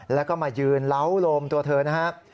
แล้วก็มายืนเล้าโลมตัวเธอนะครับ